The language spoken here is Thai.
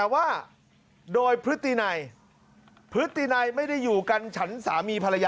จ๊ะจ๊ะจ๊ะจ๊ะจ๊ะจ๊ะจ๊ะจ๊ะจ๊ะ